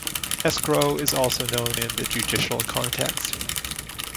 Escrow is also known in the judicial context.